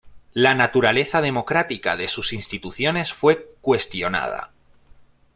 La naturaleza democrática de sus instituciones fue cuestionada.